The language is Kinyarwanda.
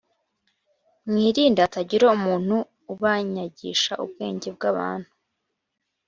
Mwirinde hatagira umuntu ubanyagisha ubwenge bw’abantu